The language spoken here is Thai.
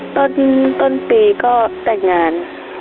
ต้นปีก็แต่งงาน